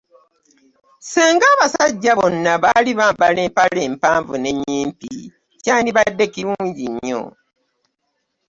Senga abasajja bonna bali bembala empale empanvu ne nnyimpi kyandibaadde kirungi nnyo.